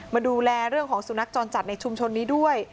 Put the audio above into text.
มาดูแลเรื่องของสุนัขจรจัดในชุมชนนี้ด้วย